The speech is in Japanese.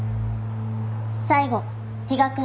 最後比嘉君。